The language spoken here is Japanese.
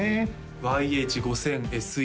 ＹＨ−５０００ＳＥ